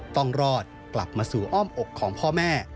ต้องรอดกลับมาสู่อ้อมอกของพ่อแม่